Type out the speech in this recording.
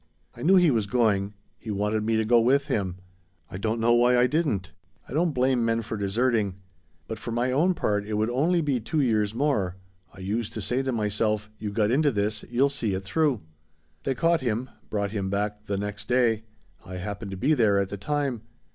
"I knew he was going. He wanted me to go with him. I don't know why I didn't. I don't blame men for deserting. But for my own part, it would only be two years more; I used to say to myself, 'You got into this. You'll see it through.' "They caught him, brought him back the next day. I happened to be there at the time.